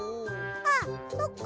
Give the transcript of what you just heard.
あっそっか。